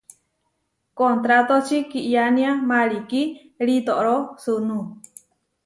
Kontrátoči kiyánia marikí ritoro sunú.